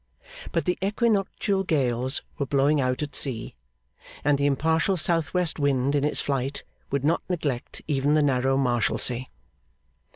But the equinoctial gales were blowing out at sea, and the impartial south west wind, in its flight, would not neglect even the narrow Marshalsea.